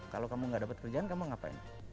kalau kamu gak dapat kerjaan kamu ngapain